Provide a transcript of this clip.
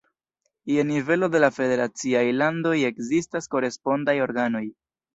Je nivelo de la federaciaj landoj ekzistas korespondaj organoj.